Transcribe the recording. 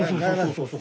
そうそう。